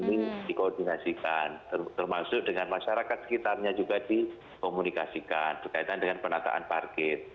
ini dikoordinasikan termasuk dengan masyarakat sekitarnya juga dikomunikasikan berkaitan dengan penataan parkir